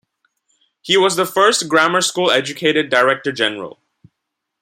He was the first grammar school educated Director-General.